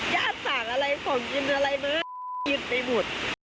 ญาติสาวอะไรของกินอะไรมายิ่งไปหมด